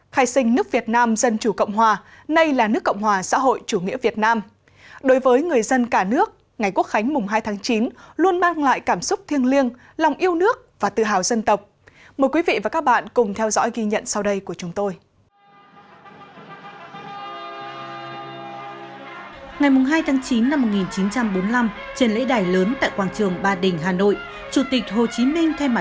khai sinh nước việt nam dân chủ cộng hòa nay là nước cộng hòa xã hội chủ nghĩa việt nam